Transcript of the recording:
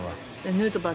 ヌートバー